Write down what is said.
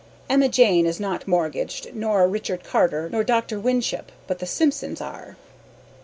Emma Jane is not morgaged nor Richard Carter nor Dr. Winship but the Simpsons are.